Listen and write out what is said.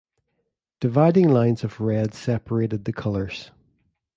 Dividing lines of red separated the colors.